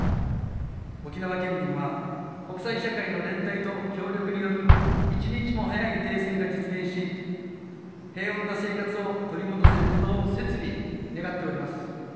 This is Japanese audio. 沖縄県民は国際社会の連帯と協力による一日も早い停戦が実現し平穏な生活を取り戻せることを切に願っております。